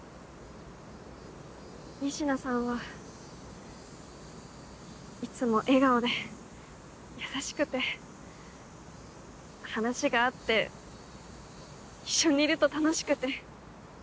仁科さんはいつも笑顔で優しくて話が合って一緒にいると楽しくて。